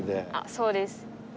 そうです。